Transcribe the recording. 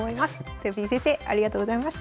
とよぴー先生ありがとうございました。